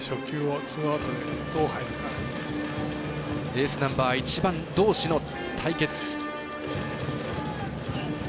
エースナンバー１番どうしの対決。